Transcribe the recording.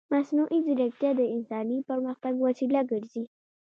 مصنوعي ځیرکتیا د انساني پرمختګ وسیله ګرځي.